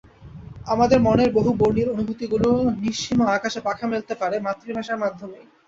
আমাদের মনের বহু বর্ণিল অনুভূতিগুলো নিঃসীম আকাশে পাখা মেলতে পারে মাতৃভাষার মাধ্যমেই।